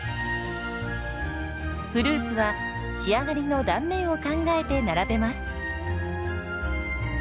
フルーツは仕上がりの断面を考えて並べます。